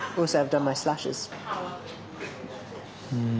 うん！